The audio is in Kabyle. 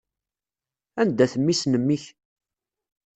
Anda-t mmi-s n mmi-k?